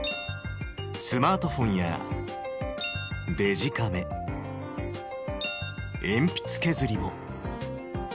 スマートフォンやデジカメ、鉛筆削りも。